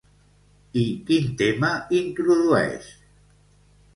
I quin tema introdueix?